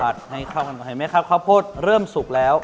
ให้เข้ากันไปเห็นไหมครับข้าวโพดเริ่มสุกแล้ว